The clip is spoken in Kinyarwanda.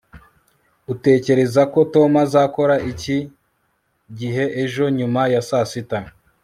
utekereza ko tom azakora iki gihe ejo nyuma ya saa sita